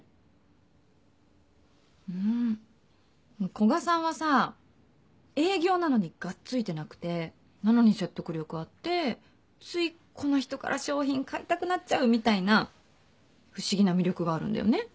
古賀さんはさ営業なのにがっついてなくてなのに説得力あってついこの人から商品買いたくなっちゃうみたいな不思議な魅力があるんだよね。